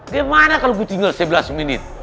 gimana kalau gue tinggal sebelas menit